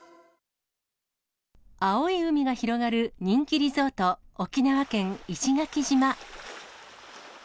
青い海が広がる人気リゾート、沖縄県石垣島。